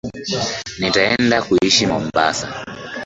NItaenda kuishi Mombasa